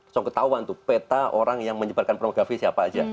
song ketahuan tuh peta orang yang menyebarkan pornografi siapa aja